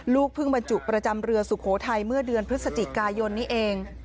ลูกเพิ่งบรรจุประจำเรือสุโขทัยเมื่อเดือนพฤศจิกายนนี้เอง